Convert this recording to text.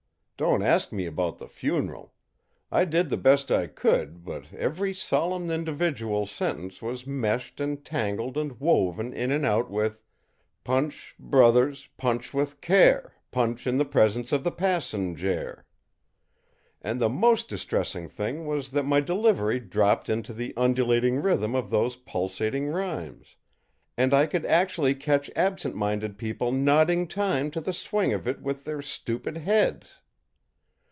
Don't ask me about the funeral. I did the best I could, but every solemn individual sentence was meshed and tangled and woven in and out with 'Punch, brothers, punch with care, punch in the presence of the passenjare.' And the most distressing thing was that my delivery dropped into the undulating rhythm of those pulsing rhymes, and I could actually catch absent minded people nodding time to the swing of it with their stupid heads.